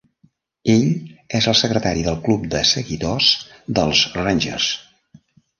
Ell és el secretari del Club de Seguidors dels Rangers.